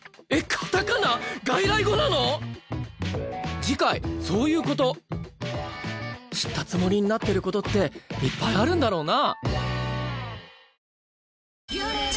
カタカナ⁉外来語なの⁉知ったつもりになってることっていっぱいあるんだろうな。